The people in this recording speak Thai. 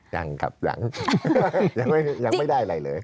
ยังครับยังยังไม่ได้อะไรเลย